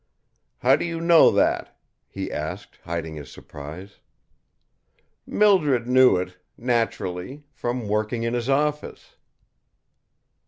"How do you know that?" he asked, hiding his surprise. "Mildred knew it naturally, from working in his office."